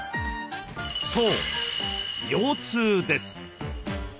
そう腰痛です。